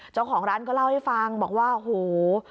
เจ้าของร้านก็เล่าให้ฟังบอกว่าโห